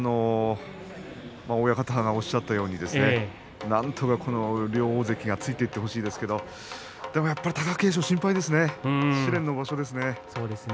親方がおっしゃったようになんとか両大関がついていってほしいですけれどでもやっぱり貴景勝、心配ですね。